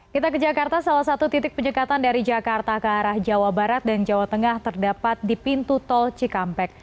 kita ke jakarta salah satu titik penyekatan dari jakarta ke arah jawa barat dan jawa tengah terdapat di pintu tol cikampek